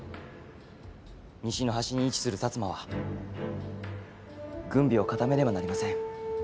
西の端に位置する薩摩は軍備を固めねばなりません。